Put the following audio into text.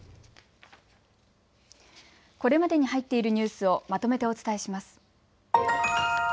これまでに入っているニュースをまとめてお伝えします。